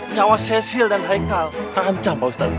nyawa cecil dan haikal terancam pak ustad